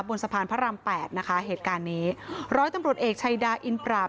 บนสะพานพระรามแปดนะคะเหตุการณ์นี้ร้อยตำรวจเอกชัยดาอินปราบ